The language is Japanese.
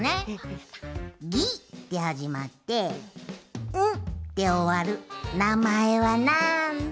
「ギ」ではじまって「ン」でおわるなまえはなんだ？